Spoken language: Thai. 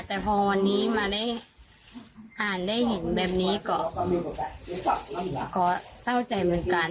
แต่พอวันนี้มาได้อ่านได้เห็นแบบนี้ก็เศร้าใจเหมือนกัน